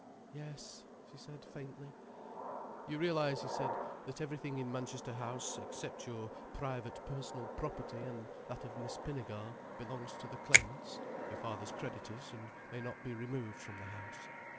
"Yes," she said faintly. "You realize," he said, "that everything in Manchester House, except your private personal property, and that of Miss Pinnegar, belongs to the claimants, your father's creditors, and may not be removed from the house."